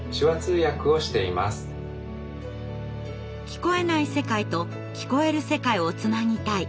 聞こえない世界と聞こえる世界をつなぎたい。